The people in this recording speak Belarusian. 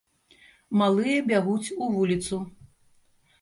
Малыя бягуць у вуліцу.